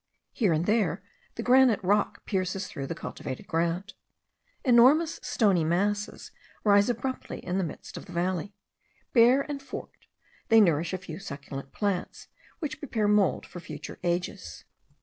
Here and there the granite rock pierces through the cultivated ground. Enormous stony masses rise abruptly in the midst of the valley. Bare and forked, they nourish a few succulent plants, which prepare mould for future ages.